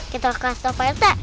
kita kasih tau pak rete